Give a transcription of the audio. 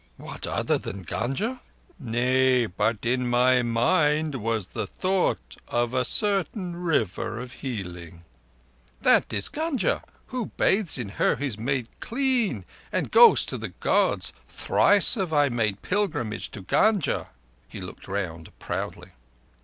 "What other than Gunga?" "Nay, but in my mind was the thought of a certain River of healing." "That is Gunga. Who bathes in her is made clean and goes to the Gods. Thrice have I made pilgrimage to Gunga." He looked round proudly.